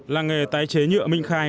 làng nghề tái chế nhựa minh khai